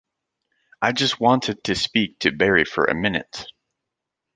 I just wanted to speak to Berry for a minute.